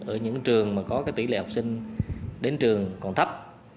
ở những trường mà có tỷ lệ học sinh đến trường còn thấp